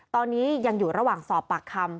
ตอนนี้ยังอยู่ระหว่างสอบปากคำ